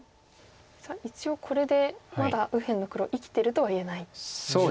さあ一応これでまだ右辺の黒生きてるとは言えないんですね。